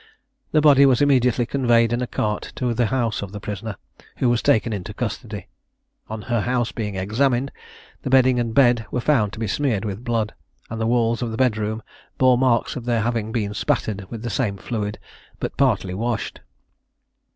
The body was immediately conveyed in a cart to the house of the prisoner, who was taken into custody. On her house being examined, the bedding and bed were found to be smeared with blood, and the walls of the bed room bore marks of their having been spattered with the same fluid, but partly washed.